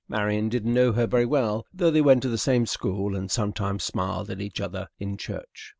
Marian didn't know her very well, though they went to the same school and sometimes smiled at each other in church.